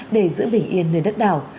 để giữ bình yên nơi đất đảo